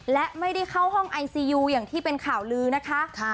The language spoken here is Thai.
และไม่ได้เข้าห้องไอซียูอย่างที่เป็นข่าวลือนะคะ